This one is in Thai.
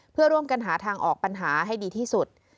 เพื่อร่วมกันหาทางออกปัญหาให้ดีที่สุด